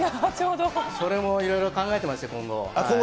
それもいろいろ考えてまして、今後？